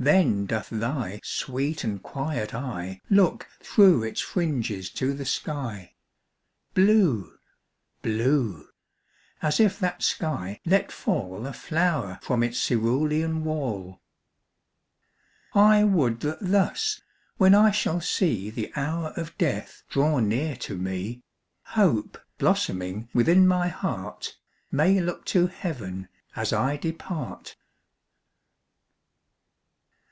Then doth thy sweet and quiet eye Look through its fringes to the sky, Blue blue as if that sky let fall A flower from its cerulean wall. I would that thus, when I shall see The hour of death draw near to me, Hope, blossoming within my heart, May look to heaven as I depart.